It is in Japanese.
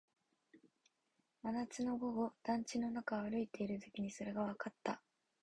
真夏の午後、団地の中を歩いているときにそれがわかった